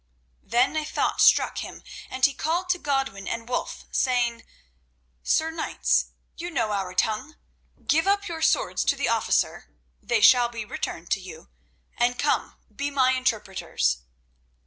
Then a thought struck him, and he called to Godwin and Wulf, saying: "Sir Knights, you know our tongue; give up your swords to the officer—they shall be returned to you—and come, be my interpreters."